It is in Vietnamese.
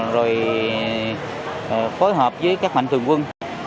rồi phối hợp với các mạnh thường quân